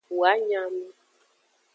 Woa nya nu.